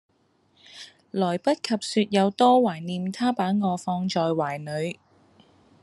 來不及說有多懷念他把我放在懷裏